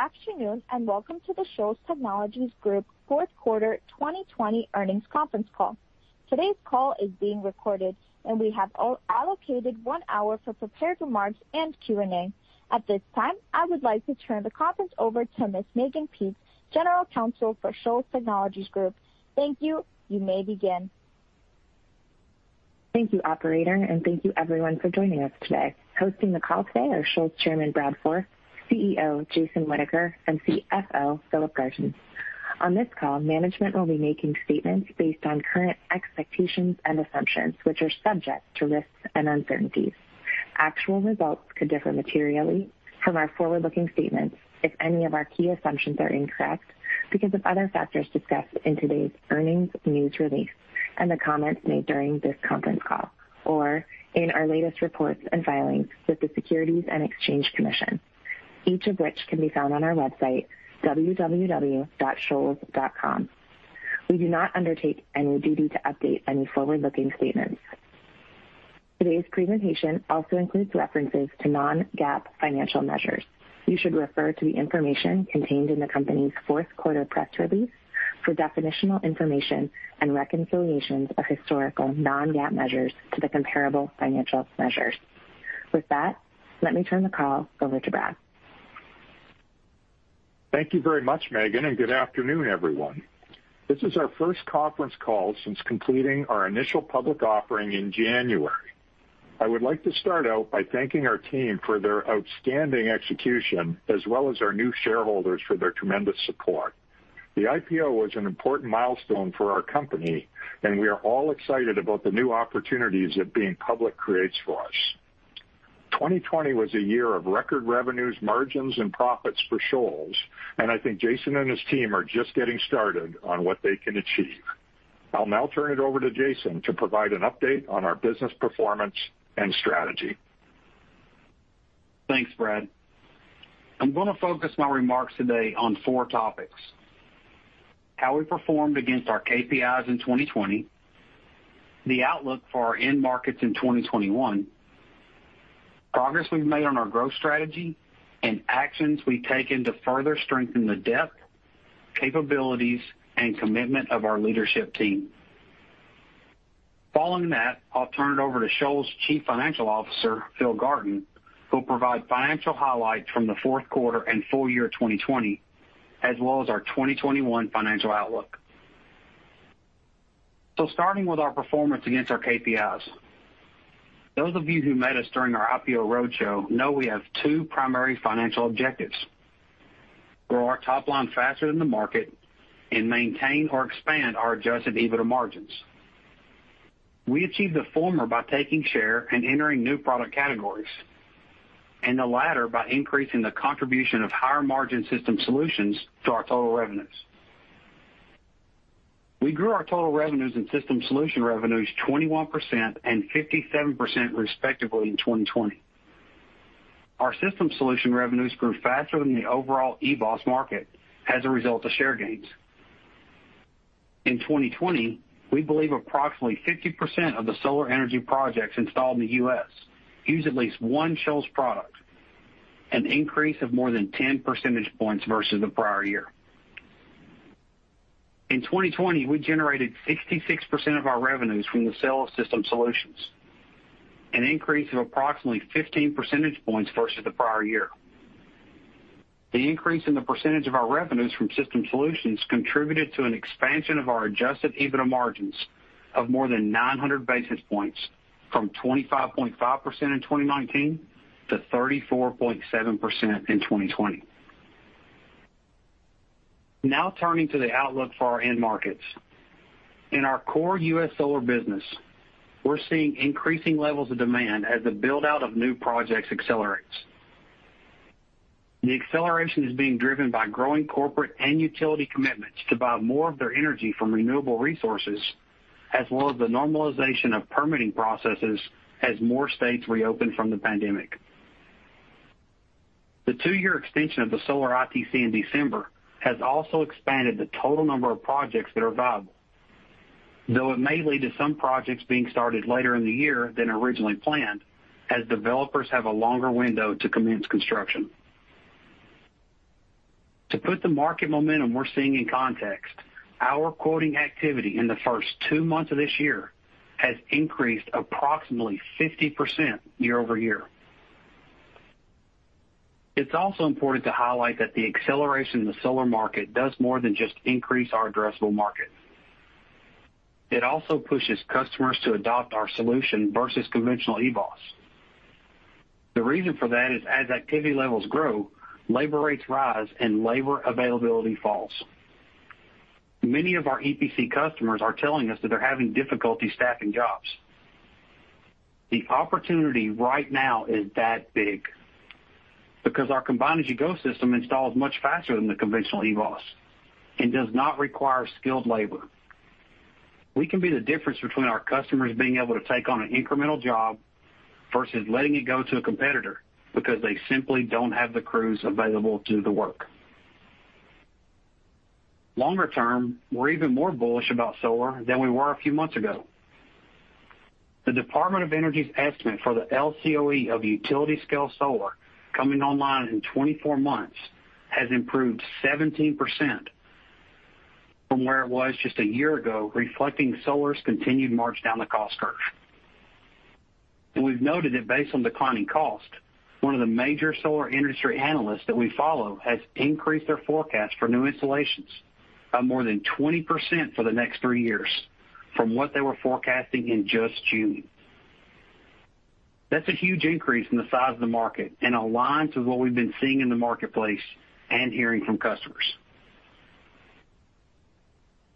Good afternoon, and welcome to the Shoals Technologies Group Fourth Quarter 2020 Earnings Conference Call. Today's call is being recorded, and we have allocated one hour for prepared remarks and Q&A. At this time, I would like to turn the conference over to Ms. Mehgan Peetz, General Counsel for Shoals Technologies Group. Thank you. You may begin. Thank you, operator, and thank you everyone for joining us today. Hosting the call today are Shoals Chairman, Brad Forth, CEO, Jason Whitaker, and CFO, Philip Garton. On this call, management will be making statements based on current expectations and assumptions, which are subject to risks and uncertainties. Actual results could differ materially from our forward-looking statements if any of our key assumptions are incorrect because of other factors discussed in today's earnings news release and the comments made during this conference call or in our latest reports and filings with the Securities and Exchange Commission, each of which can be found on our website, www.shoals.com. We do not undertake any duty to update any forward-looking statements. Today's presentation also includes references to non-GAAP financial measures. You should refer to the information contained in the company's fourth quarter press release for definitional information and reconciliations of historical non-GAAP measures to the comparable financial measures. With that, let me turn the call over to Brad. Thank you very much, Mehgan, and good afternoon, everyone. This is our first conference call since completing our initial public offering in January. I would like to start out by thanking our team for their outstanding execution as well as our new shareholders for their tremendous support. The IPO was an important milestone for our company, and we are all excited about the new opportunities that being public creates for us. 2020 was a year of record revenues, margins, and profits for Shoals, and I think Jason and his team are just getting started on what they can achieve. I'll now turn it over to Jason to provide an update on our business performance and strategy. Thanks, Brad. I'm going to focus my remarks today on four topics: how we performed against our KPIs in 2020, the outlook for our end markets in 2021, progress we've made on our growth strategy, and actions we've taken to further strengthen the depth, capabilities, and commitment of our leadership team. Following that, I'll turn it over to Shoals' Chief Financial Officer, Philip Garton, who'll provide financial highlights from the fourth quarter and full year 2020, as well as our 2021 financial outlook. Starting with our performance against our KPIs. Those of you who met us during our IPO roadshow know we have two primary financial objectives, grow our top line faster than the market and maintain or expand our Adjusted EBITDA margins. We achieve the former by taking share and entering new product categories, and the latter by increasing the contribution of higher-margin system solutions to our total revenues. We grew our total revenues and system solution revenues 21% and 57%, respectively, in 2020. Our system solution revenues grew faster than the overall EBOS market as a result of share gains. In 2020, we believe approximately 50% of the solar energy projects installed in the U.S. used at least one Shoals product, an increase of more than 10 percentage points versus the prior year. In 2020, we generated 66% of our revenues from the sale of system solutions, an increase of approximately 15 percentage points versus the prior year. The increase in the percentage of our revenues from system solutions contributed to an expansion of our Adjusted EBITDA margins of more than 900 basis points from 25.5% in 2019 to 34.7% in 2020. Turning to the outlook for our end markets. In our core U.S. solar business, we're seeing increasing levels of demand as the build-out of new projects accelerates. The acceleration is being driven by growing corporate and utility commitments to buy more of their energy from renewable resources, as well as the normalization of permitting processes as more states reopen from the pandemic. The two-year extension of the Solar ITC in December has also expanded the total number of projects that are viable, though it may lead to some projects being started later in the year than originally planned, as developers have a longer window to commence construction. To put the market momentum we're seeing in context, our quoting activity in the first two months of this year has increased approximately 50% year-over-year. It's also important to highlight that the acceleration in the solar market does more than just increase our addressable market. It also pushes customers to adopt our solution versus conventional EBOS. The reason for that is as activity levels grow, labor rates rise, and labor availability falls. Many of our EPC customers are telling me that they're having difficulty staffing jobs. The opportunity right now is that big. Because our Combine-as-you-go system installs much faster than the conventional EBOS and does not require skilled labor. We can be the difference between our customers being able to take on an incremental job versus letting it go to a competitor because they simply don't have the crews available to do the work. Longer term, we're even more bullish about solar than we were a few months ago. The Department of Energy's estimate for the LCOE of utility-scale solar coming online in 24 months has improved 17% from where it was just a year ago, reflecting solar's continued march down the cost curve. We've noted that based on declining cost, one of the major solar industry analysts that we follow has increased their forecast for new installations by more than 20% for the next three years from what they were forecasting in just June. That's a huge increase in the size of the market and aligns with what we've been seeing in the marketplace and hearing from customers.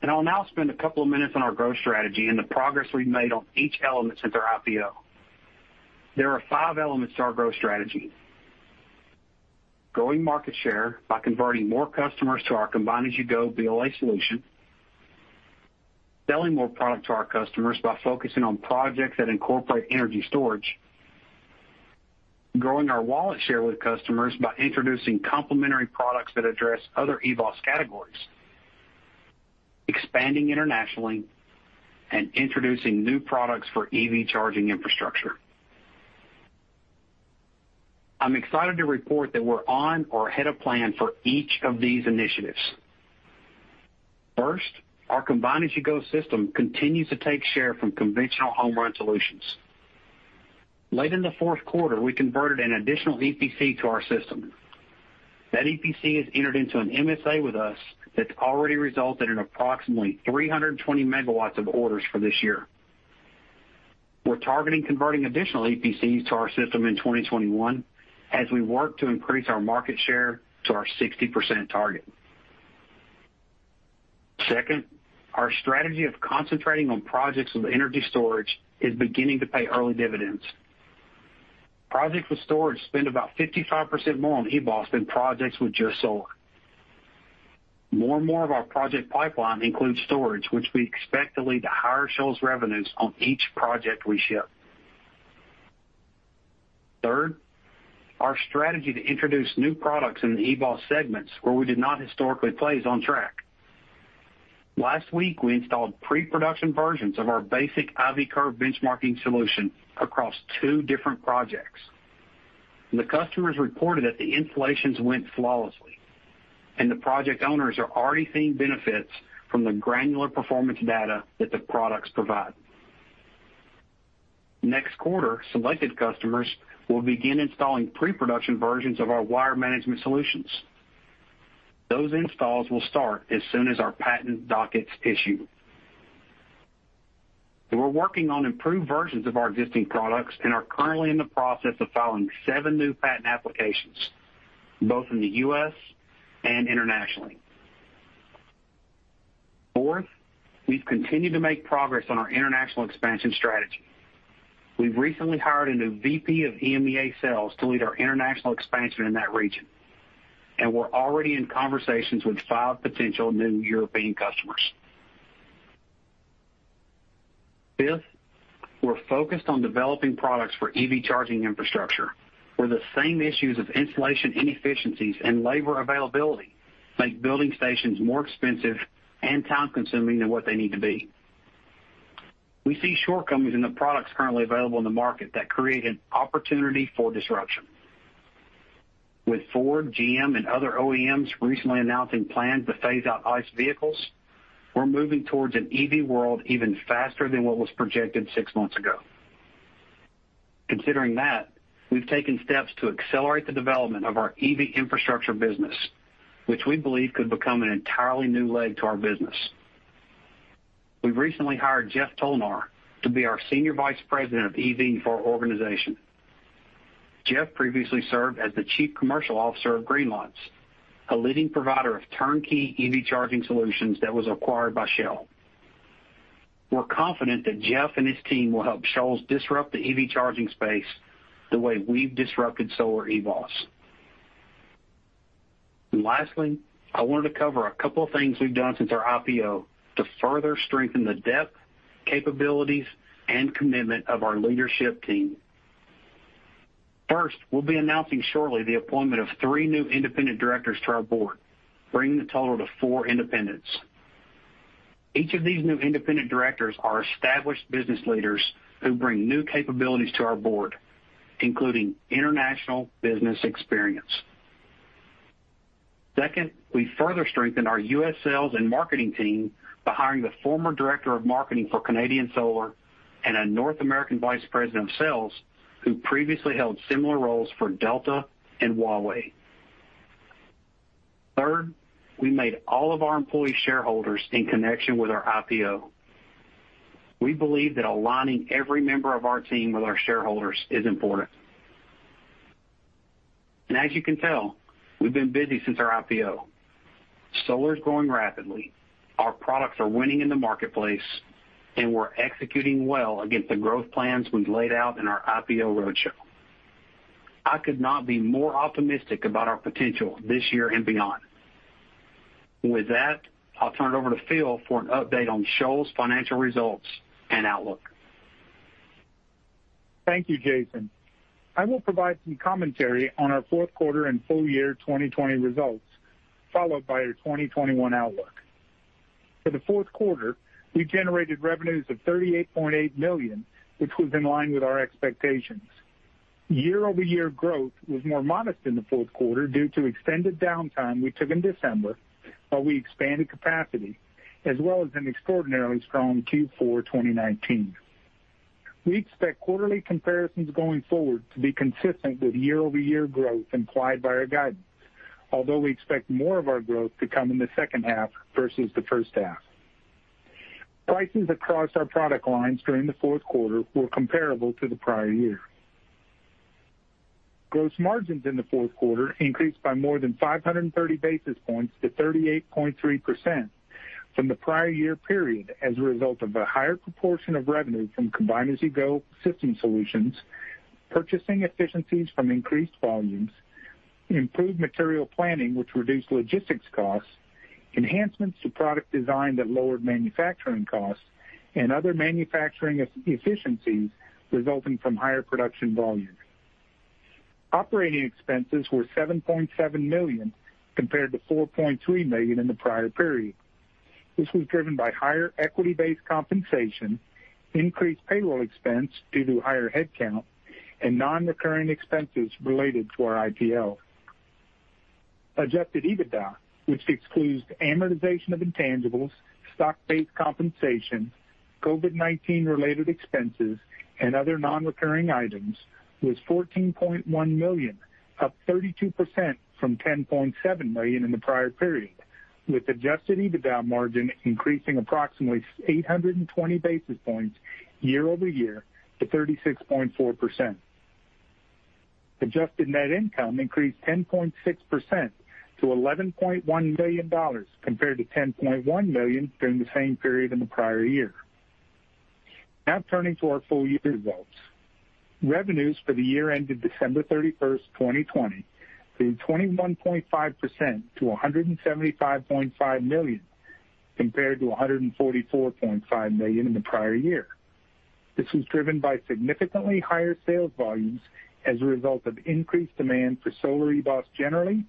I'll now spend a couple of minutes on our growth strategy and the progress we've made on each element since our IPO. There are five elements to our growth strategy. Growing market share by converting more customers to our Combine-as-you-go BLA solution, selling more product to our customers by focusing on projects that incorporate energy storage, growing our wallet share with customers by introducing complementary products that address other EBOS categories, expanding internationally, and introducing new products for EV charging infrastructure. I'm excited to report that we're on or ahead of plan for each of these initiatives. First, our Combine-as-you-go system continues to take share from conventional home run solutions. Late in the fourth quarter, we converted an additional EPC to our system. That EPC has entered into an MSA with us that's already resulted in approximately 320 MW of orders for this year. We're targeting converting additional EPCs to our system in 2021 as we work to increase our market share to our 60% target. Second, our strategy of concentrating on projects with energy storage is beginning to pay early dividends. Projects with storage spend about 55% more on EBOS than projects with just solar. More and more of our project pipeline includes storage, which we expect to lead to higher Shoals revenues on each project we ship. Third, our strategy to introduce new products in the EBOS segments where we did not historically play is on track. Last week, we installed pre-production versions of our basic I-V curve benchmarking solution across two different projects. The customers reported that the installations went flawlessly, and the project owners are already seeing benefits from the granular performance data that the products provide. Next quarter, selected customers will begin installing pre-production versions of our wire management solutions. Those installs will start as soon as our patent dockets issue. We're working on improved versions of our existing products and are currently in the process of filing seven new patent applications, both in the U.S. and internationally. Fourth, we've continued to make progress on our international expansion strategy. We've recently hired a new VP of EMEA sales to lead our international expansion in that region, and we're already in conversations with five potential new European customers. Fifth, we're focused on developing products for EV charging infrastructure, where the same issues of installation inefficiencies and labor availability make building stations more expensive and time-consuming than what they need to be. We see shortcomings in the products currently available in the market that create an opportunity for disruption. With Ford, GM, and other OEMs recently announcing plans to phase out ICE vehicles, we're moving towards an EV world even faster than what was projected six months ago. Considering that, we've taken steps to accelerate the development of our EV infrastructure business, which we believe could become an entirely new leg to our business. We've recently hired Jeff Tolnar to be our Senior Vice President of EV for our organization. Jeff previously served as the Chief Commercial Officer of Greenlots, a leading provider of turnkey EV charging solutions that was acquired by Shell. We're confident that Jeff and his team will help Shoals disrupt the EV charging space the way we've disrupted solar EBOS. Lastly, I wanted to cover a couple of things we've done since our IPO to further strengthen the depth, capabilities, and commitment of our leadership team. First, we'll be announcing shortly the appointment of three new independent directors to our board, bringing the total to four independents. Each of these new independent directors are established business leaders who bring new capabilities to our board, including international business experience. Second, we further strengthened our U.S. sales and marketing team by hiring the former Director of Marketing for Canadian Solar and a North American Vice President of Sales who previously held similar roles for Delta and Huawei. Third, we made all of our employee shareholders in connection with our IPO. We believe that aligning every member of our team with our shareholders is important. As you can tell, we've been busy since our IPO. Solar's growing rapidly. Our products are winning in the marketplace, and we're executing well against the growth plans we've laid out in our IPO roadshow. I could not be more optimistic about our potential this year and beyond. With that, I'll turn it over to Phil for an update on Shoals' financial results and outlook. Thank you, Jason. I will provide some commentary on our fourth quarter and full year 2020 results, followed by our 2021 outlook. For the fourth quarter, we generated revenues of $38.8 million, which was in line with our expectations. Year-over-year growth was more modest in the fourth quarter due to extended downtime we took in December while we expanded capacity, as well as an extraordinarily strong Q4 2019. We expect quarterly comparisons going forward to be consistent with year-over-year growth implied by our guidance. Although we expect more of our growth to come in the second half versus the first half. Prices across our product lines during the fourth quarter were comparable to the prior year. Gross margins in the fourth quarter increased by more than 530 basis points to 38.3% from the prior year period as a result of a higher proportion of revenue from Combine-as-you-go system solutions, purchasing efficiencies from increased volumes, improved material planning which reduced logistics costs, enhancements to product design that lowered manufacturing costs, and other manufacturing efficiencies resulting from higher production volumes. Operating expenses were $7.7 million compared to $4.3 million in the prior period. This was driven by higher equity-based compensation, increased payroll expense due to higher headcount, and non-recurring expenses related to our IPO. Adjusted EBITDA, which excludes amortization of intangibles, stock-based compensation, COVID-19 related expenses, and other non-recurring items, was $14.1 million, up 32% from $10.7 million in the prior period, with Adjusted EBITDA margin increasing approximately 820 basis points year-over-year to 36.4%. Adjusted Net Income increased 10.6% to $11.1 million compared to $10.1 million during the same period in the prior year. Now turning to our full-year results. Revenues for the year ended December 31st, 2020, grew 21.5% to $175.5 million compared to $144.5 million in the prior year. This was driven by significantly higher sales volumes as a result of increased demand for solar EBOS generally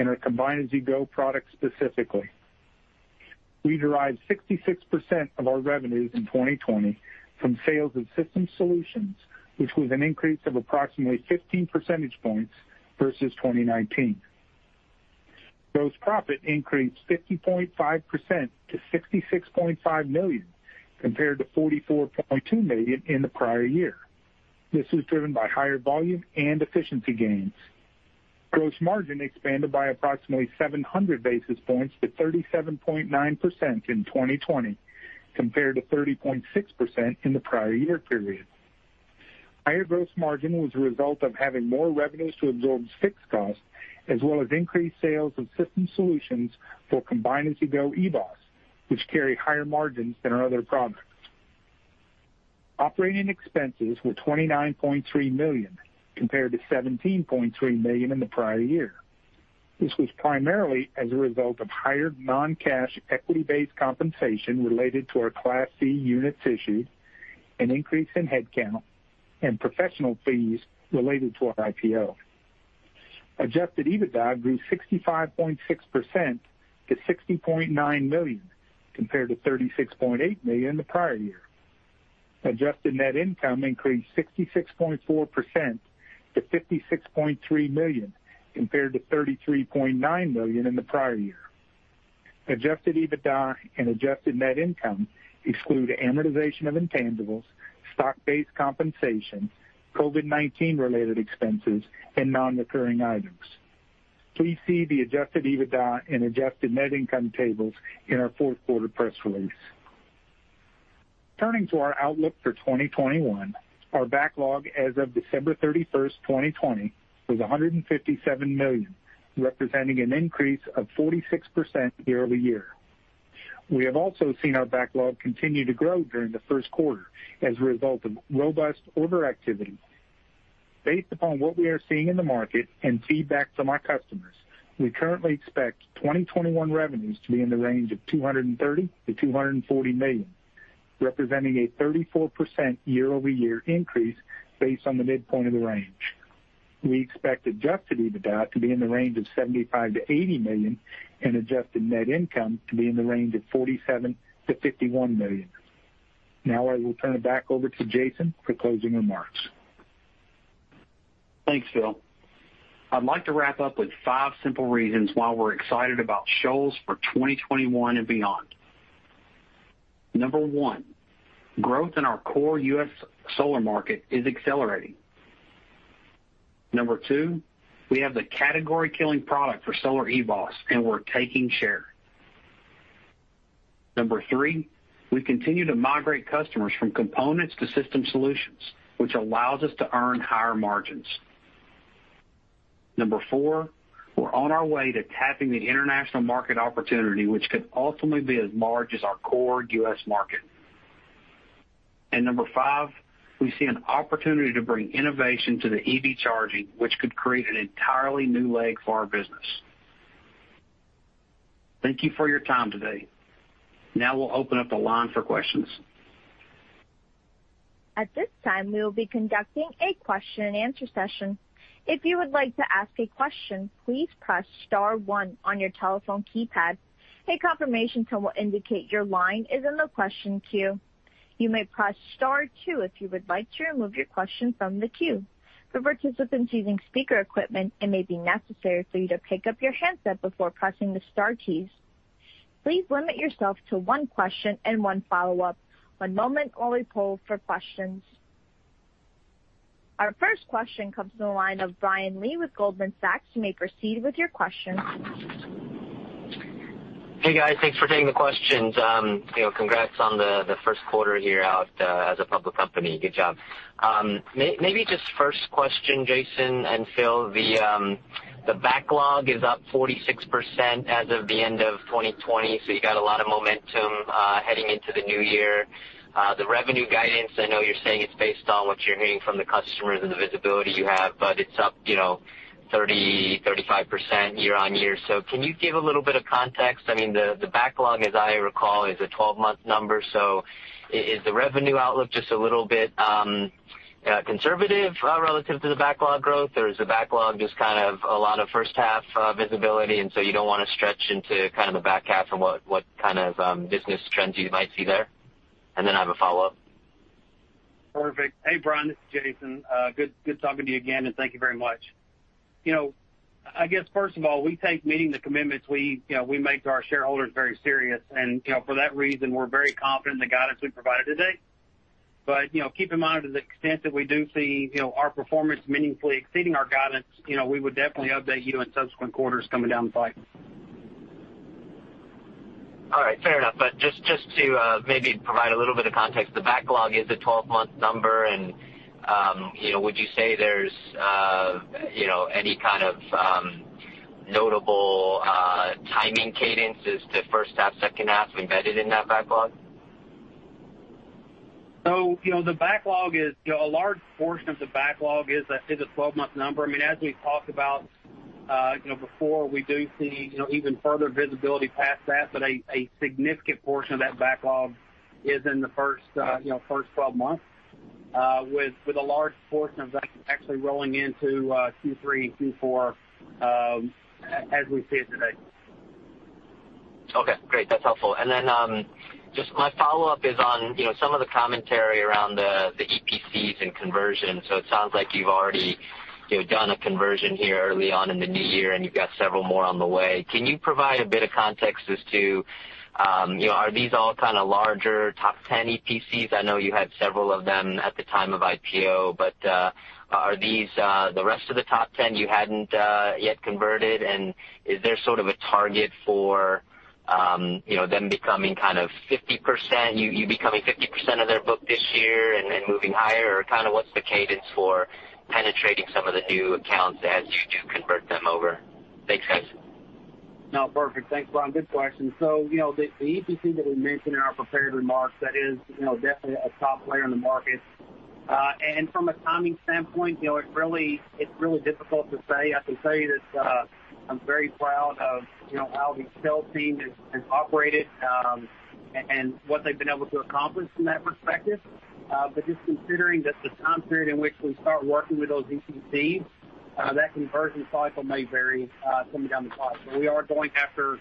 and our Combine-as-you-go product specifically. We derived 66% of our revenues in 2020 from sales of system solutions, which was an increase of approximately 15 percentage points versus 2019. Gross profit increased 50.5% to $66.5 million compared to $44.2 million in the prior year. This was driven by higher volume and efficiency gains. Gross margin expanded by approximately 700 basis points to 37.9% in 2020 compared to 30.6% in the prior year period. Higher gross margin was a result of having more revenues to absorb fixed costs as well as increased sales of system solutions for Combine-as-you-go EBOS, which carry higher margins than our other products. Operating expenses were $29.3 million compared to $17.3 million in the prior year. This was primarily as a result of higher non-cash equity-based compensation related to our Class C units issued, an increase in headcount, and professional fees related to our IPO. Adjusted EBITDA grew 65.6% to $60.9 million compared to $36.8 million the prior year. Adjusted Net Income increased 66.4% to $56.3 million compared to $33.9 million in the prior year. Adjusted EBITDA and Adjusted Net Income exclude amortization of intangibles, stock-based compensation, COVID-19 related expenses, and non-recurring items. Please see the Adjusted EBITDA and Adjusted Net Income tables in our fourth quarter press release. Turning to our outlook for 2021, our backlog as of December 31st, 2020, was $157 million, representing an increase of 46% year-over-year. We have also seen our backlog continue to grow during the first quarter as a result of robust order activity. Based upon what we are seeing in the market and feedback from our customers, we currently expect 2021 revenues to be in the range of $230 million-$240 million, representing a 34% year-over-year increase based on the midpoint of the range. We expect Adjusted EBITDA to be in the range of $75 million-$80 million and Adjusted Net Income to be in the range of $47 million-$51 million. Now I will turn it back over to Jason for closing remarks. Thanks, Phil. I'd like to wrap up with five simple reasons why we're excited about Shoals for 2021 and beyond. Number one, growth in our core U.S. solar market is accelerating. Number two, we have the category-killing product for solar EBOS and we're taking share. Number three, we continue to migrate customers from components to system solutions, which allows us to earn higher margins. Number four, we're on our way to tapping the international market opportunity which could ultimately be as large as our core U.S. market. Number five, we see an opportunity to bring innovation to the EV charging which could create an entirely new leg for our business. Thank you for your time today. Now we'll open up the line for questions. At this time, we will be conducting a question and answer session. If you would like to ask a question, please press star one on your telephone keypad. A confirmation tone will indicate your line is in the question queue. You may press star two if you would like to remove your question from the queue. For participants using speaker equipment, it may be necessary for you to pick up your handset before pressing the star keys. Please limit yourself to one question and one follow-up. One moment while we poll for questions. Our first question comes from the line of Brian Lee with Goldman Sachs. You may proceed with your question. Hey, guys. Thanks for taking the questions. Congrats on the first quarter here out as a public company. Good job. Maybe just first question, Jason and Phil, the backlog is up 46% as of the end of 2020. You got a lot of momentum heading into the new year. The revenue guidance, I know you're saying it's based on what you're hearing from the customers and the visibility you have. It's up 30%-35% year-on-year. Can you give a little bit of context? I mean, the backlog, as I recall, is a 12-month number. Is the revenue outlook just a little bit conservative relative to the backlog growth? Is the backlog just kind of a lot of first half visibility, you don't want to stretch into the back half and what kind of business trends you might see there? I have a follow-up. Perfect. Hey, Brian, this is Jason. Good talking to you again, and thank you very much. I guess first of all, we take meeting the commitments we make to our shareholders very serious. For that reason, we're very confident in the guidance we provided today. Keep in mind, to the extent that we do see our performance meaningfully exceeding our guidance, we would definitely update you in subsequent quarters coming down the pipe. All right. Fair enough. Just to maybe provide a little bit of context, the backlog is a 12-month number. Would you say there's any kind of notable timing cadences to first half, second half embedded in that backlog? A large portion of the backlog is a 12-month number. I mean, as we've talked about before, we do see even further visibility past that, but a significant portion of that backlog is in the first 12 months, with a large portion of that actually rolling into Q3 and Q4, as we see it today. Okay, great. That's helpful. Then just my follow-up is on some of the commentary around the EPCs and conversion. It sounds like you've already done a conversion here early on in the new year, and you've got several more on the way. Can you provide a bit of context as to are these all kind of larger top 10 EPCs? I know you had several of them at the time of IPO, are these the rest of the top 10 you hadn't yet converted? Is there sort of a target for them becoming kind of 50% you becoming 50% of their book this year and then moving higher? What's the cadence for penetrating some of the new accounts as you do convert them over? Thanks, guys. No, perfect. Thanks, Brian. Good question. The EPC that we mentioned in our prepared remarks, that is definitely a top player in the market. From a timing standpoint, it's really difficult to say. I can tell you that I'm very proud of how the sales team has operated, and what they've been able to accomplish from that perspective. Just considering that the time period in which we start working with those EPCs, that conversion cycle may vary coming down the pipe. We are going after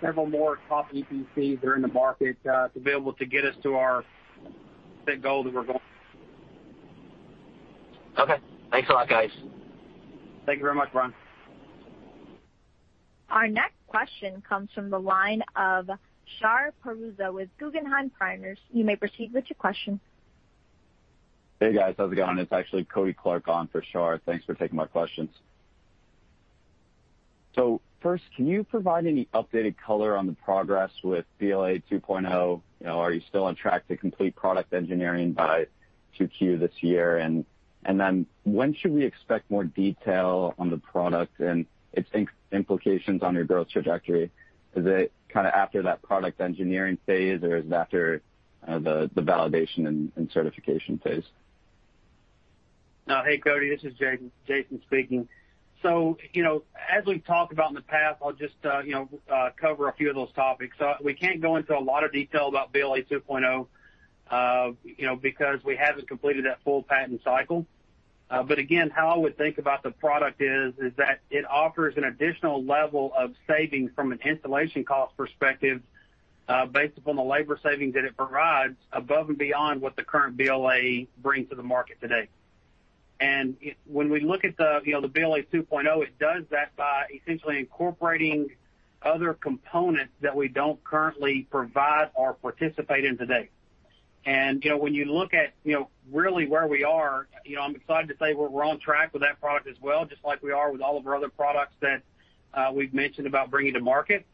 several more top EPCs that are in the market to be able to get us to our set goal that we're going. Okay. Thanks a lot, guys. Thank you very much, Brian. Our next question comes from the line of Shar Pourreza with Guggenheim Partners. You may proceed with your question. Hey, guys, how's it going? It's actually Kody Clark on for Shar. Thanks for taking my questions. First, can you provide any updated color on the progress with BLA 2.0? Are you still on track to complete product engineering by 2Q this year? When should we expect more detail on the product and its implications on your growth trajectory? Is it after that product engineering phase, or is it after the validation and certification phase? Hey, Kody, this is Jason speaking. As we've talked about in the past, I'll just cover a few of those topics. We can't go into a lot of detail about BLA 2.0, because we haven't completed that full patent cycle. Again, how I would think about the product is that it offers an additional level of savings from an installation cost perspective based upon the labor savings that it provides above and beyond what the current BLA brings to the market today. When we look at the BLA 2.0, it does that by essentially incorporating other components that we don't currently provide or participate in today. When you look at really where we are, I'm excited to say we're on track with that product as well, just like we are with all of our other products that we've mentioned about bringing to market.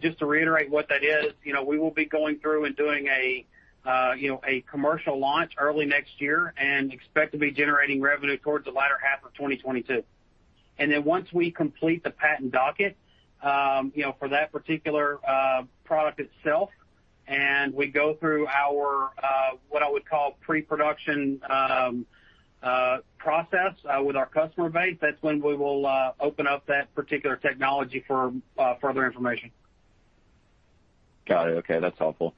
Just to reiterate what that is, we will be going through and doing a commercial launch early next year and expect to be generating revenue towards the latter half of 2022. Once we complete the patent docket for that particular product itself, and we go through our, what I would call pre-production process with our customer base. That's when we will open up that particular technology for further information. Got it. Okay. That's helpful.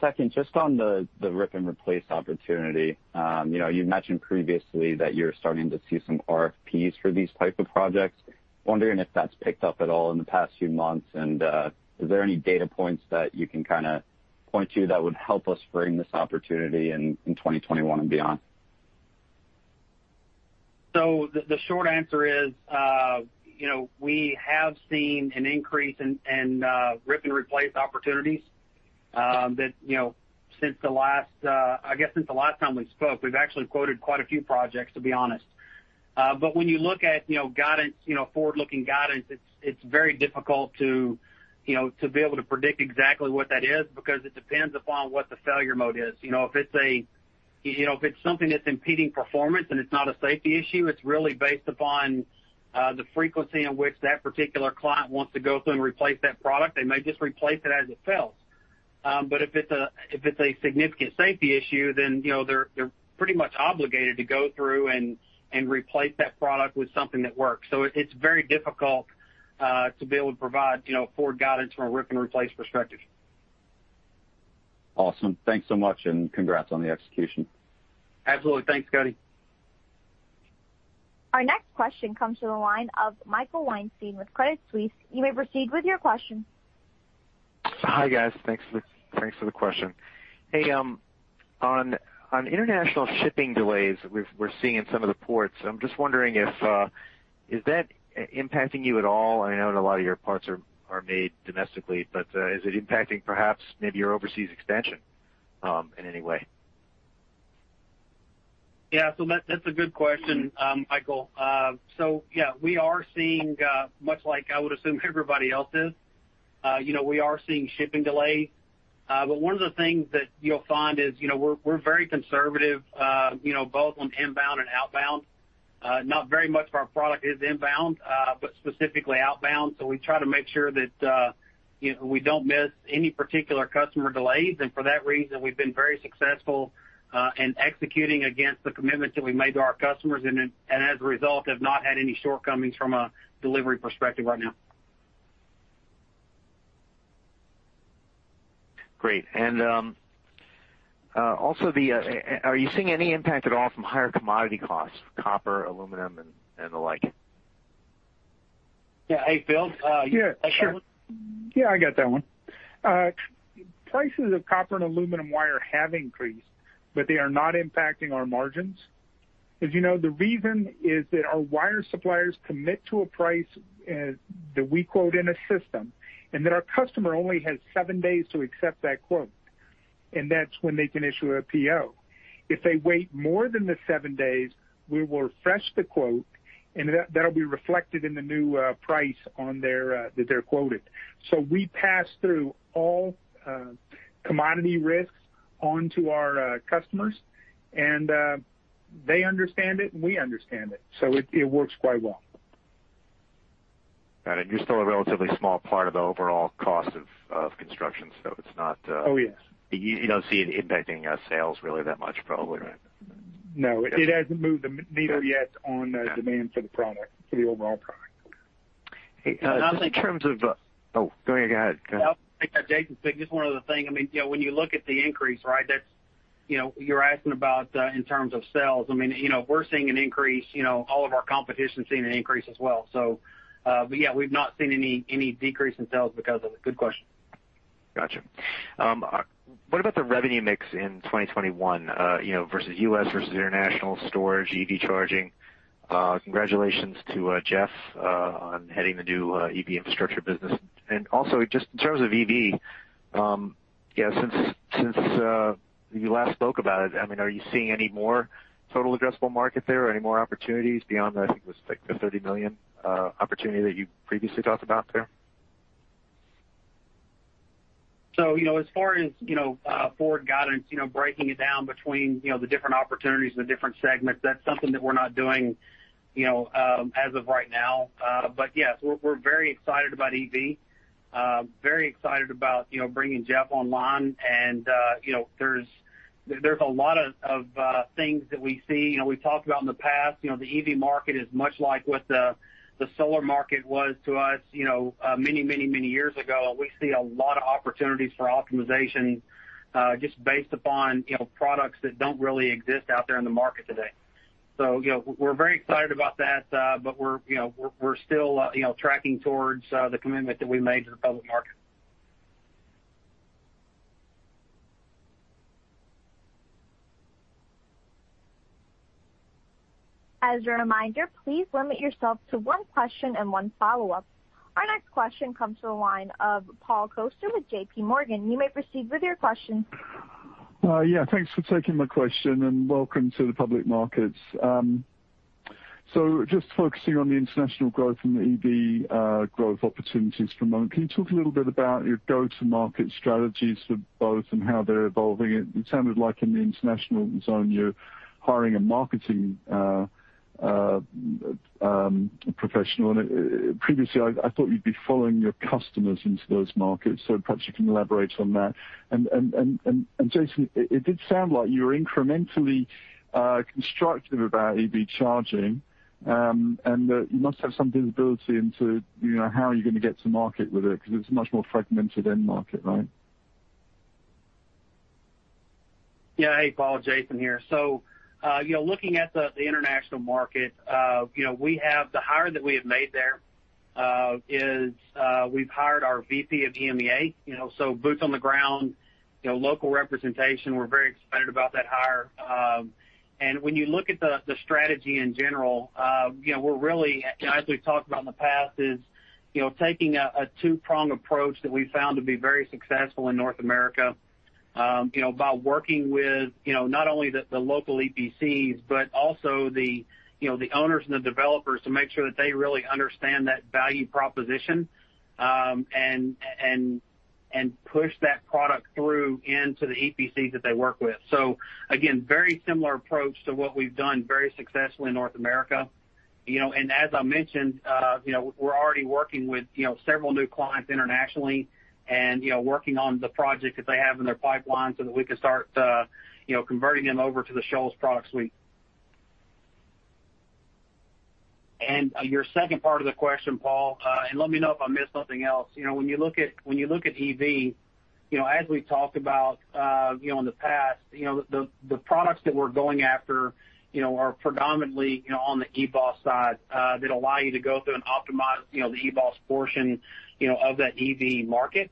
Second, just on the rip and replace opportunity. You mentioned previously that you're starting to see some RFPs for these type of projects. Wondering if that's picked up at all in the past few months, and is there any data points that you can point to that would help us frame this opportunity in 2021 and beyond? The short answer is, we have seen an increase in rip and replace opportunities since the last time we spoke. We've actually quoted quite a few projects, to be honest. When you look at forward-looking guidance, it's very difficult to be able to predict exactly what that is, because it depends upon what the failure mode is. If it's something that's impeding performance and it's not a safety issue, it's really based upon the frequency in which that particular client wants to go through and replace that product. They may just replace it as it fails. If it's a significant safety issue, then they're pretty much obligated to go through and replace that product with something that works. It's very difficult to be able to provide forward guidance from a rip and replace perspective. Awesome. Thanks so much and congrats on the execution. Absolutely. Thanks, Kody. Our next question comes to the line of Michael Weinstein with Credit Suisse. You may proceed with your question. Hi, guys. Thanks for the question. Hey, on international shipping delays we're seeing in some of the ports, I'm just wondering if is that impacting you at all? I know a lot of your parts are made domestically, but is it impacting perhaps maybe your overseas expansion in any way? That's a good question, Michael. Yeah, we are seeing, much like I would assume everybody else is, we are seeing shipping delays. One of the things that you'll find is, we're very conservative both on inbound and outbound. Not very much of our product is inbound, but specifically outbound. We try to make sure that we don't miss any particular customer delays. For that reason, we've been very successful in executing against the commitments that we made to our customers, and as a result, have not had any shortcomings from a delivery perspective right now. Great. Also, are you seeing any impact at all from higher commodity costs, copper, aluminum and the like? Yeah. Hey, Phil, you want to take that one? Yeah, I got that one. Prices of copper and aluminum wire have increased, but they are not impacting our margins. As you know, the reason is that our wire suppliers commit to a price that we quote in a system, and that our customer only has seven days to accept that quote, and that's when they can issue a PO. If they wait more than the seven days, we will refresh the quote, and that'll be reflected in the new price that they're quoted. We pass through all commodity risks onto our customers, and they understand it, and we understand it, so it works quite well. Got it. You're still a relatively small part of the overall cost of construction, so it's not. Oh, yes. You don't see it impacting sales really that much, probably, right? No, it hasn't moved the needle yet on demand for the product, for the overall product. Oh, go ahead Jason. Just one other thing. When you look at the increase, you're asking about in terms of sales. We're seeing an increase, all of our competition is seeing an increase as well. Yeah, we've not seen any decrease in sales because of it. Good question. Got you. What about the revenue mix in 2021, versus U.S., versus international, storage, EV charging? Congratulations to Jeff on heading the new EV infrastructure business. Also, just in terms of EV, since you last spoke about it, are you seeing any more total addressable market there, any more opportunities beyond, I think it was like the $30 million opportunity that you previously talked about there? As far as forward guidance, breaking it down between the different opportunities and the different segments, that's something that we're not doing as of right now. Yes, we're very excited about EV. Very excited about bringing Jeff online, and there's a lot of things that we see. We've talked about in the past, the EV market is much like what the solar market was to us many years ago. We see a lot of opportunities for optimization, just based upon products that don't really exist out there in the market today. We're very excited about that, but we're still tracking towards the commitment that we made to the public market. As a reminder, please limit yourself to one question and one follow-up. Our next question comes to the line of Paul Coster with JPMorgan. You may proceed with your question. Yeah. Thanks for taking my question, and welcome to the public markets. Just focusing on the international growth and the EV growth opportunities for a moment, can you talk a little bit about your go-to-market strategies for both and how they're evolving? It sounded like in the international zone, you're hiring a marketing professional. Previously, I thought you'd be following your customers into those markets, so perhaps you can elaborate on that. Jason, it did sound like you were incrementally constructive about EV charging, and that you must have some visibility into how you're going to get to market with it because it's a much more fragmented end market, right? Hey, Paul, Jason here. Looking at the international market, the hire that we have made there is we've hired our VP of EMEA. Boots on the ground, local representation. We're very excited about that hire. When you look at the strategy in general, we're really, as we've talked about in the past, is taking a two-pronged approach that we found to be very successful in North America, by working with not only the local EPCs, but also the owners and the developers to make sure that they really understand that value proposition, and push that product through into the EPC that they work with. Again, very similar approach to what we've done very successfully in North America. As I mentioned, we're already working with several new clients internationally and working on the project that they have in their pipeline so that we can start converting them over to the Shoals products suite. Your second part of the question, Paul, and let me know if I missed something else. When you look at EV, as we've talked about in the past, the products that we're going after are predominantly on the EBOS side, that allow you to go through and optimize the EBOS portion of that EV market.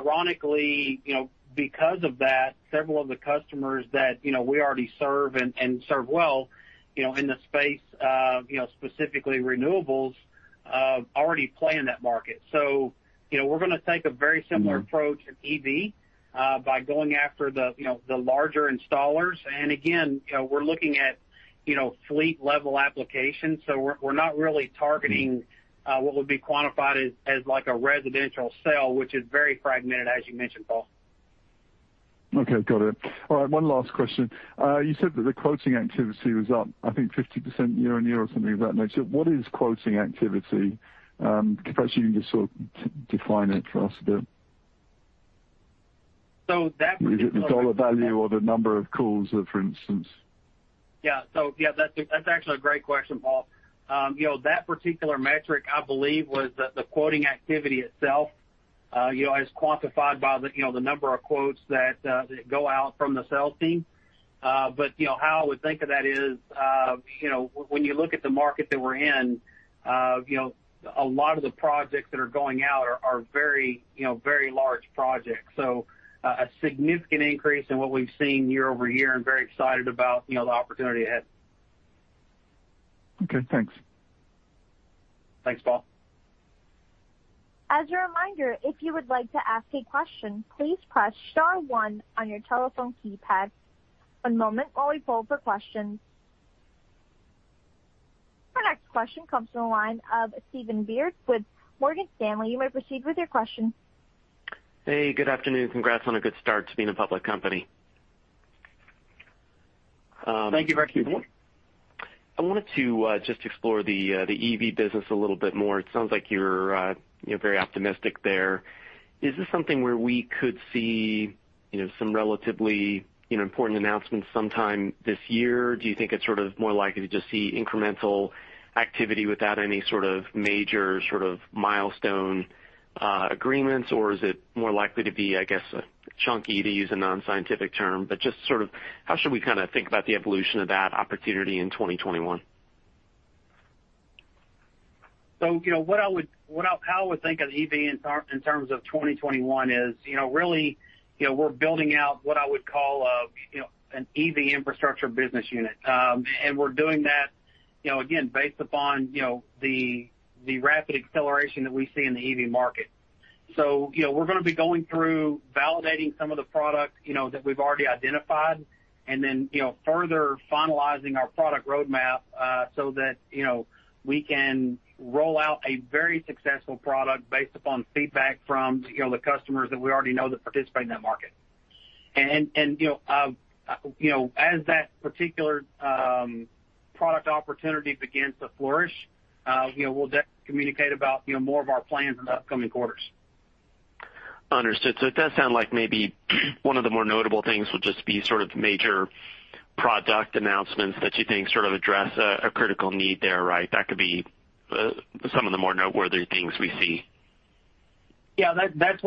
Ironically, because of that, several of the customers that we already serve and serve well in the space of specifically renewables, already play in that market. We're going to take a very similar approach in EV by going after the larger installers. Again, we're looking at fleet-level applications. We're not really targeting what would be quantified as like a residential sale, which is very fragmented, as you mentioned, Paul. Okay. Got it. All right. One last question. You said that the quoting activity was up, I think 50% year-on-year or something of that nature. What is quoting activity? Perhaps you can just sort of define it for us a bit. So that- Is it the dollar value or the number of calls, for instance? Yeah. That's actually a great question, Paul. That particular metric, I believe, was the quoting activity itself is quantified by the number of quotes that go out from the sales team. How I would think of that is when you look at the market that we're in, a lot of the projects that are going out are very large projects. A significant increase in what we've seen year-over-year and very excited about the opportunity ahead. Okay, thanks. Thanks, Paul. As a reminder, if you would like to ask a question, please press star one on your telephone keypad. One moment while we poll for questions. Our next question comes from the line of Stephen Byrd with Morgan Stanley. You may proceed with your question. Hey, good afternoon. Congrats on a good start to being a public company. Thank you very much. I wanted to just explore the EV business a little bit more. It sounds like you're very optimistic there. Is this something where we could see some relatively important announcements sometime this year? Do you think it's sort of more likely to just see incremental activity without any sort of major sort of milestone agreements? Or is it more likely to be, I guess, chunky, to use a non-scientific term, but just sort of how should we kind of think about the evolution of that opportunity in 2021? How I would think of EV in terms of 2021 is really we're building out what I would call an EV infrastructure business unit. We're doing that again, based upon the rapid acceleration that we see in the EV market. We're going to be going through validating some of the products that we've already identified and then further finalizing our product roadmap so that we can roll out a very successful product based upon feedback from the customers that we already know that participate in that market. As that particular product opportunity begins to flourish, we'll definitely communicate about more of our plans in the upcoming quarters. Understood. It does sound like maybe one of the more notable things will just be sort of major product announcements that you think sort of address a critical need there, right? That could be some of the more noteworthy things we see. Yeah. That's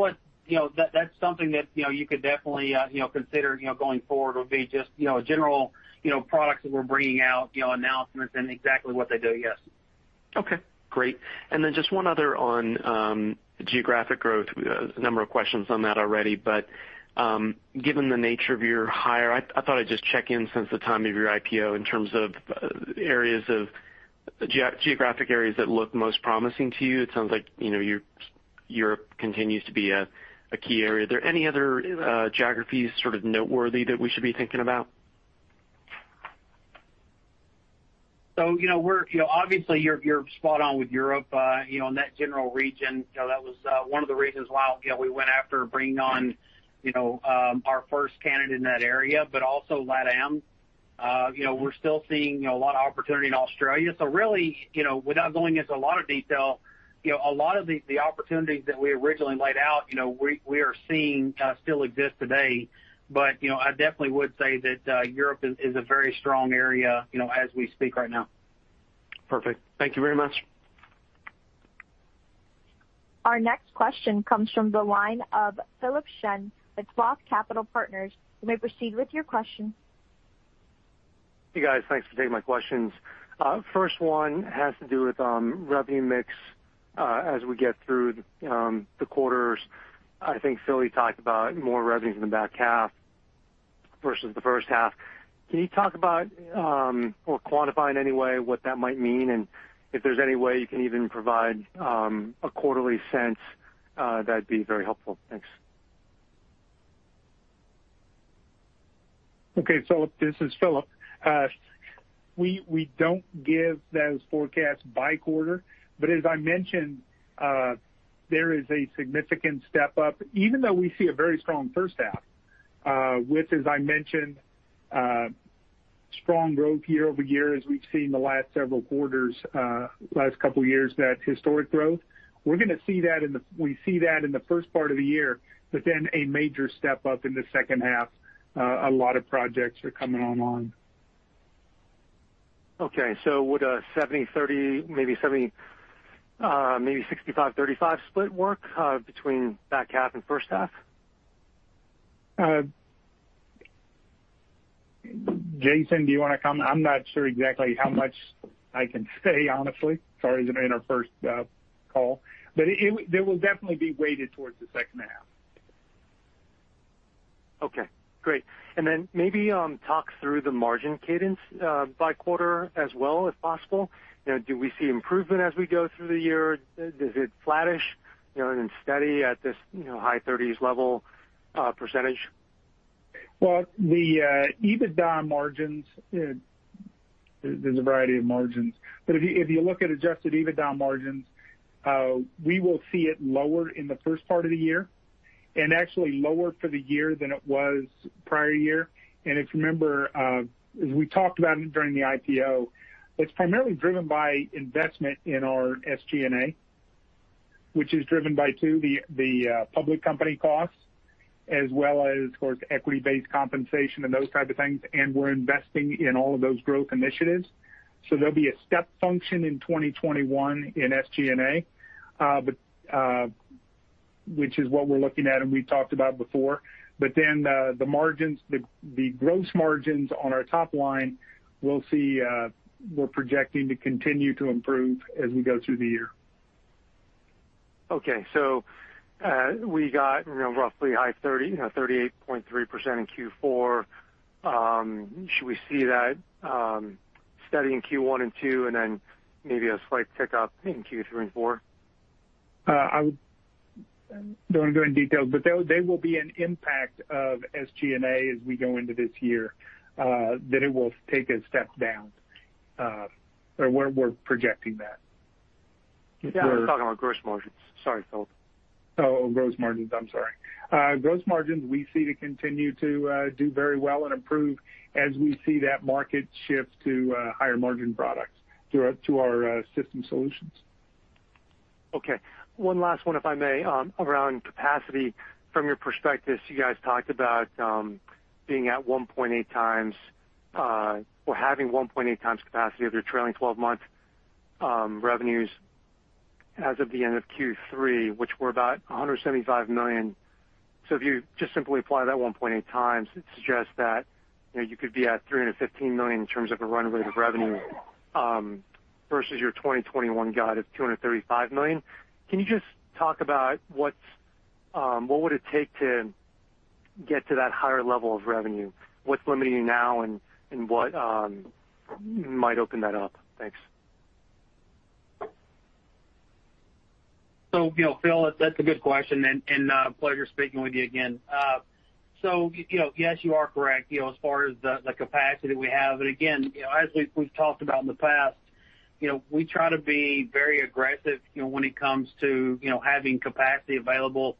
something that you could definitely consider going forward would be just general products that we're bringing out, announcements and exactly what they do. Yes. Okay. Great. Just one other on geographic growth. A number of questions on that already, but given the nature of your hire, I thought I'd just check in since the time of your IPO in terms of geographic areas that look most promising to you. It sounds like Europe continues to be a key area. Are there any other geographies sort of noteworthy that we should be thinking about? Obviously, you're spot on with Europe, and that general region. That was one of the reasons why we went after bringing on our first candidate in that area, but also LATAM. We're still seeing a lot of opportunity in Australia. Really, without going into a lot of detail, a lot of the opportunities that we originally laid out we are seeing still exist today. I definitely would say that Europe is a very strong area as we speak right now. Perfect. Thank you very much. Our next question comes from the line of Philip Shen at ROTH Capital Partners. You may proceed with your question. Hey, guys. Thanks for taking my questions. First one has to do with revenue mix as we get through the quarters. I think Phil talked about more revenues in the back half versus the first half. Can you talk about or quantify in any way what that might mean, and if there's any way you can even provide a quarterly sense, that'd be very helpful. Thanks. Okay, Philip, this is Philip. We don't give those forecasts by quarter, but as I mentioned, there is a significant step up, even though we see a very strong first half with, as I mentioned, strong growth year-over-year as we've seen the last several quarters, last couple of years, that historic growth. We see that in the first part of the year, but then a major step up in the second half. A lot of projects are coming online. Okay. Would a 70/30, maybe 65/35 split work between back half and first half? Jason, do you want to comment? I'm not sure exactly how much I can say, honestly. Sorry to say in our first call. It will definitely be weighted towards the second half. Okay, great. Maybe talk through the margin cadence by quarter as well, if possible. Do we see improvement as we go through the year? Is it flattish and steady at this high 30s level percentage? Well, the EBITDA margins, there's a variety of margins. If you look at Adjusted EBITDA margins, we will see it lower in the first part of the year and actually lower for the year than it was prior year. If you remember, as we talked about during the IPO, it's primarily driven by investment in our SG&A, which is driven by two, the public company costs, as well as, of course, equity-based compensation and those type of things. We're investing in all of those growth initiatives. There'll be a step function in 2021 in SG&A, which is what we're looking at, and we've talked about before. The margins, the gross margins on our top line, we're projecting to continue to improve as we go through the year. Okay. We got roughly high 30, 38.3% in Q4. Should we see that steady in Q1 and Q2, and then maybe a slight tick up in Q3 and Q4? I don't want to go into details, but there will be an impact of SG&A as we go into this year, that it will take a step down. We're projecting that. Yeah, I was talking about gross margins. Sorry, Philip. Oh, gross margins. I'm sorry. Gross margins, we see to continue to do very well and improve as we see that market shift to higher margin products to our system solutions. Okay. One last one, if I may, around capacity. From your perspective, you guys talked about being at 1.8x or having 1.8x capacity of your trailing 12-month revenues as of the end of Q3, which were about $175 million. If you just simply apply that 1.8x, it suggests that you could be at $315 million in terms of a run rate of revenue versus your 2021 guide of $235 million. Can you just talk about what would it take to get to that higher level of revenue? What's limiting you now, and what might open that up? Thanks. Phil, that's a good question, and a pleasure speaking with you again. Yes, you are correct as far as the capacity we have. Again, as we've talked about in the past, we try to be very aggressive when it comes to having capacity available.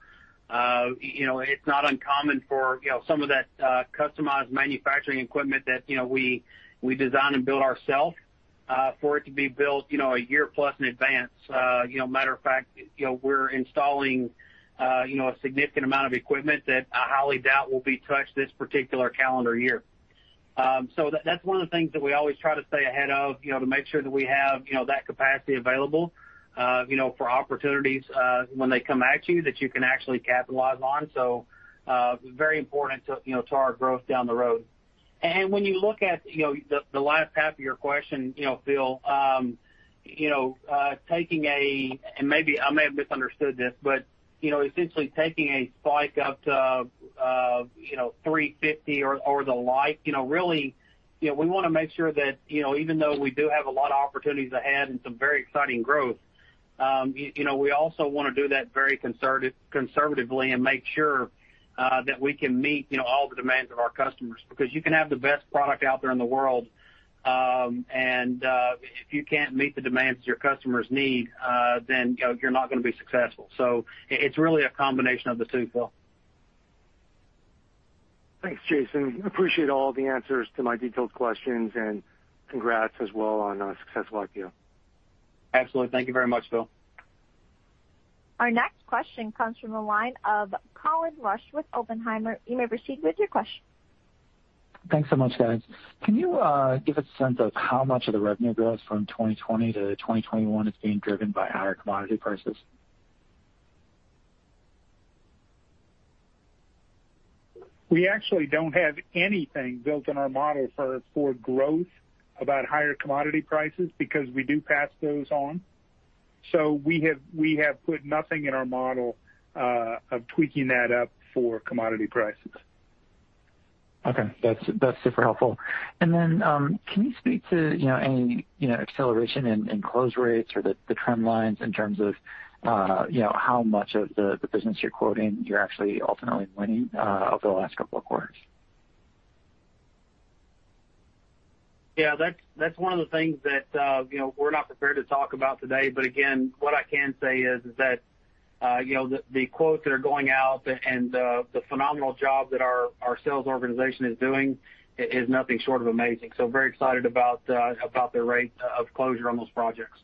It's not uncommon for some of that customized manufacturing equipment that we design and build ourself for it to be built one year plus in advance. Matter of fact, we're installing a significant amount of equipment that I highly doubt will be touched this particular calendar year. That's one of the things that we always try to stay ahead of to make sure that we have that capacity available for opportunities when they come at you that you can actually capitalize on. Very important to our growth down the road. When you look at the last half of your question, Phil, I may have misunderstood this. Essentially taking a spike up to 350 or the like. Really, we want to make sure that even though we do have a lot of opportunities ahead and some very exciting growth, we also want to do that very conservatively and make sure that we can meet all the demands of our customers. You can have the best product out there in the world, and if you can't meet the demands that your customers need, then you're not going to be successful. It's really a combination of the two, Phil. Thanks, Jason. Appreciate all the answers to my detailed questions and congrats as well on a successful IPO. Absolutely. Thank you very much, Phil. Our next question comes from the line of Colin Rusch with Oppenheimer. You may proceed with your question. Thanks so much, guys. Can you give a sense of how much of the revenue growth from 2020-2021 is being driven by higher commodity prices? We actually don't have anything built in our model for growth about higher commodity prices because we do pass those on. We have put nothing in our model of tweaking that up for commodity prices. Okay. That's super helpful. Can you speak to any acceleration in close rates or the trend lines in terms of how much of the business you're quoting you're actually ultimately winning over the last couple of quarters? Yeah, that's one of the things that we're not prepared to talk about today. Again, what I can say is that the quotes that are going out and the phenomenal job that our sales organization is doing is nothing short of amazing. Very excited about their rate of closure on those projects.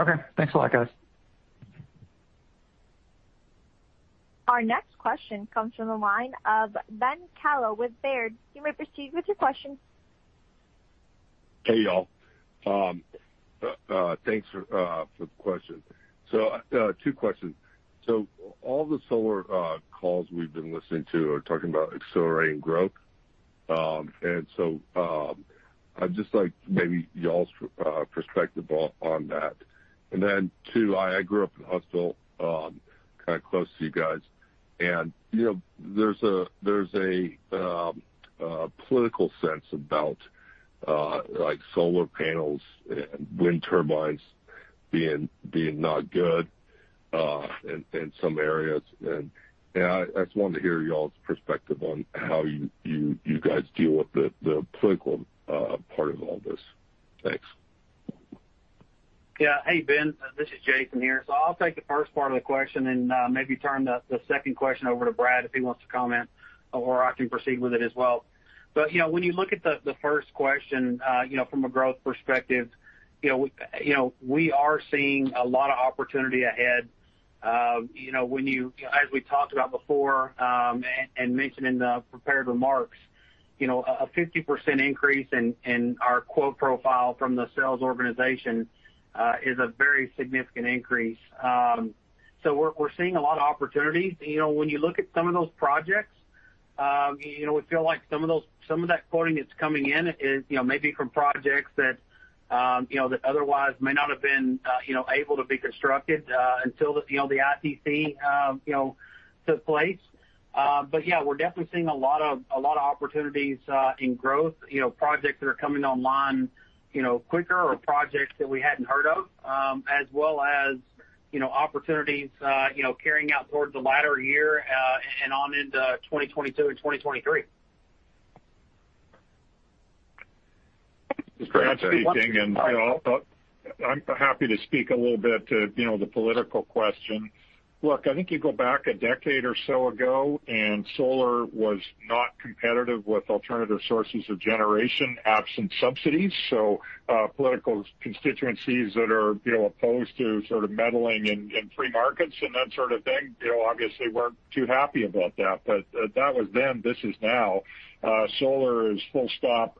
Okay. Thanks a lot, guys. Our next question comes from the line of Ben Kallo with Baird. You may proceed with your question. Hey, y'all. Thanks for the question. Two questions. All the solar calls we've been listening to are talking about accelerating growth. I'd just like maybe y'all's perspective on that. Two, I grew up in Huntsville, kind of close to you guys, and there's a political sense about solar panels and wind turbines being not good in some areas. I just wanted to hear y'all's perspective on how you guys deal with the political part of all this. Thanks. Hey, Ben, this is Jason here. I'll take the first part of the question and maybe turn the second question over to Brad if he wants to comment, or I can proceed with it as well. When you look at the first question from a growth perspective, we are seeing a lot of opportunity ahead. As we talked about before and mentioned in the prepared remarks, a 50% increase in our quote profile from the sales organization is a very significant increase. We're seeing a lot of opportunities. When you look at some of those projects, we feel like some of that quoting that's coming in is maybe from projects that otherwise may not have been able to be constructed until the ITC took place. Yeah, we're definitely seeing a lot of opportunities in growth, projects that are coming online quicker or projects that we hadn't heard of, as well as opportunities carrying out towards the latter year and on into 2022 and 2023. This is Brad speaking, and I'm happy to speak a little bit to the political question. Look, I think you go back a decade or so ago, and solar was not competitive with alternative sources of generation absent subsidies. Political constituencies that are opposed to sort of meddling in free markets and that sort of thing obviously weren't too happy about that. That was then, this is now. Solar is full stop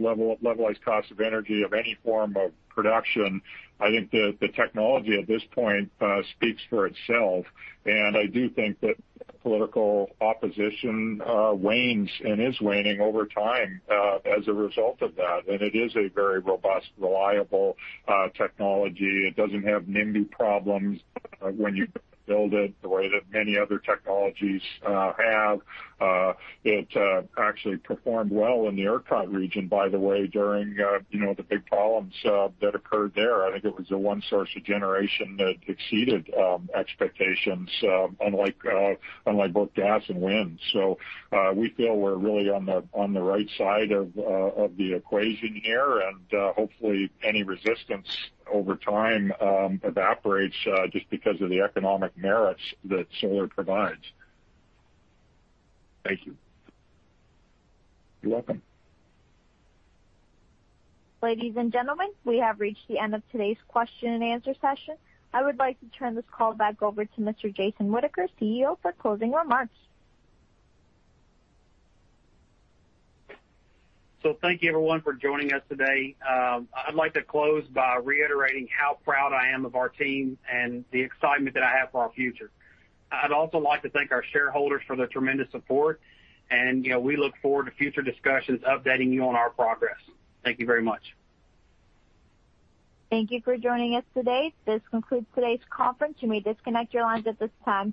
levelized cost of energy of any form of production. I think the technology at this point speaks for itself, and I do think that political opposition wanes and is waning over time as a result of that. It is a very robust, reliable technology. It doesn't have NIMBY problems when you build it the way that many other technologies have. It actually performed well in the ERCOT region, by the way, during the big problems that occurred there. I think it was the one source of generation that exceeded expectations, unlike both gas and wind. We feel we're really on the right side of the equation here, and hopefully any resistance over time evaporates just because of the economic merits that solar provides. Thank you. You're welcome. Ladies and gentlemen, we have reached the end of today's question and answer session. I would like to turn this call back over to Mr. Jason Whitaker, CEO, for closing remarks. Thank you everyone for joining us today. I'd like to close by reiterating how proud I am of our team and the excitement that I have for our future. I'd also like to thank our shareholders for their tremendous support, and we look forward to future discussions updating you on our progress. Thank you very much. Thank you for joining us today. This concludes today's conference. You may disconnect your lines at this time.